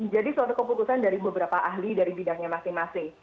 jadi suatu keputusan dari beberapa ahli dari bidangnya masing masing